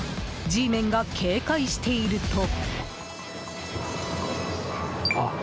Ｇメンが警戒していると。